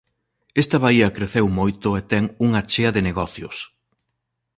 Esta baía creceu moito e ten unha chea de negocios.